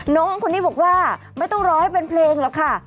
น้องคนนี้บอกว่าไม่ต้องรอให้เป็นเพลงหรอกค่ะ